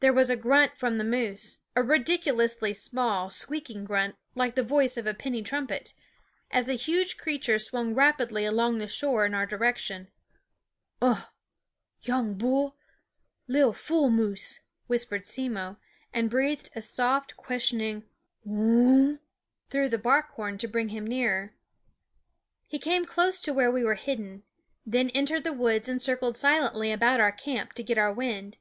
There was a grunt from the moose a ridiculously small, squeaking grunt, like the voice of a penny trumpet as the huge creature swung rapidly along the shore in our direction. " Uh ! young bull, lil fool moose," whispered Simmo, and breathed Sfie tfru/noe? SCHOOL OJF a soft, questioning Whooowuh? through the bark horn to brin him nearen He came close to where we were hidden, then entered the woods and circled silently about our camp to get our wind.